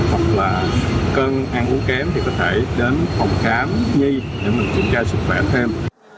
hoặc là cơn ăn uống kém thì có thể đến phòng khám nhi để mình kiểm tra sức khỏe thêm